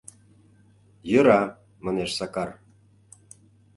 — Йӧра, — манеш Сакар.